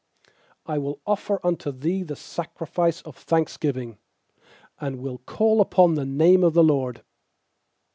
17I will offer to Thee the sacrifice of thanksgiving, And will call upon the name of the LORD.